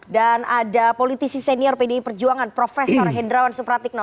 dan ada politisi senior pdi perjuangan prof hendrawan supratikno